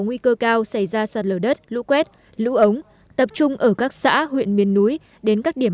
nguy cơ cao xảy ra sạt lở đất lũ quét lũ ống tập trung ở các xã huyện miền núi đến các điểm